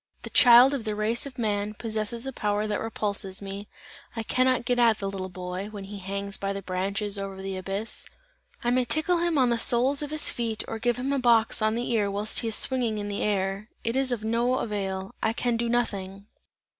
The child of the race of man, possesses a power, that repulses me; I cannot get at the little boy, when he hangs by the branches over the abyss. I may tickle him on the soles of his feet or give him a box on the ear whilst he is swinging in the air, it is of no avail. I can do nothing!"